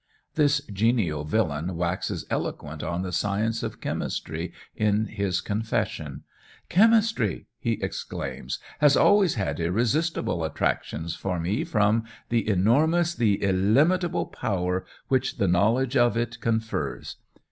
This genial villain waxes eloquent on the science of chemistry in his confession. "Chemistry!" he exclaims, "has always had irresistible attractions for me from the enormous, the illimitable power which the knowledge of it confers.